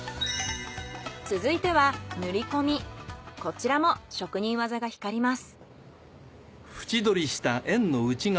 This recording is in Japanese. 続いてはこちらも職人技が光ります。